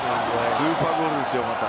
スーパーゴールですよ、また。